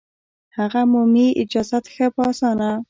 هغه مومي اجازت ښه په اسانه